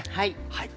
はい。